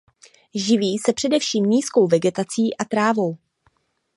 Živí se především nízkou vegetací a trávou.